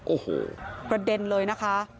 โอ้โหประเด็นเลยนะคะ